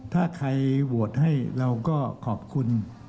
ถ้าใครโหวตให้เราก็ขอบคุณ